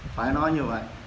phải nói như vậy